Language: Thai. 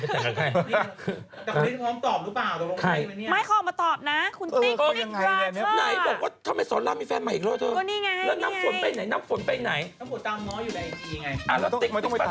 แต่หลีนพร้อมตอบหรือเปล่าตอบตกลงใครไหมเนี้ย